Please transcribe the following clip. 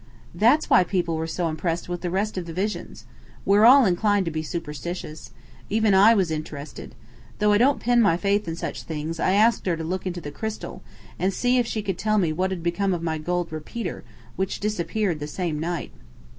"That's why people were so impressed with the rest of the visions. We're all inclined to be superstitious. Even I was interested. Though I don't pin my faith in such things, I asked her to look into the crystal, and see if she could tell what had become of my gold repeater, which disappeared the same night."